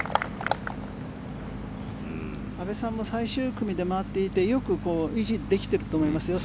阿部さんも最終組で回っていてよく維持できていると思いますよ。